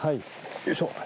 よいしょ。